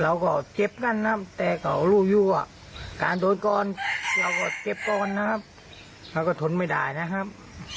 เราก็เจ็บกันนะแต่เขารู้อยู่การโดนก่อนเราก็เจ็บก่อนนะครับเราก็ทนไม่ได้นะครับ